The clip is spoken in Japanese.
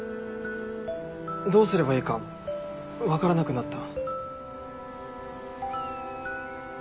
どうすればいいか分からなくなった。